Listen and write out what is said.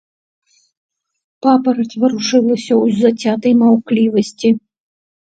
Папараць варушылася ў зацятай маўклівасці.